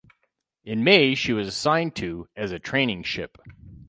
In May she was assigned to as a training ship.